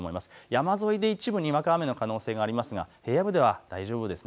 山沿いで一部にわか雨の可能性がありますが平野部では大丈夫です。